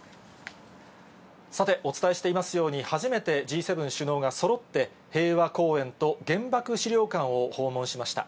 さて、お伝えしていますように、初めてＧ７首脳がそろって平和公園と原爆資料館を訪問しました。